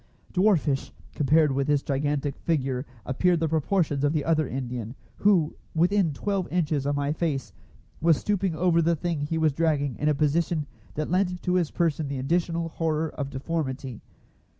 Dwarfish, compared with this gigantic figure, appeared the proportions of the other Indian, who, within twelve inches of my face, was stooping over the thing he was dragging in a position that lent to his person the additional horror of deformity.